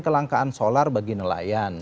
kelangkaan solar bagi nelayan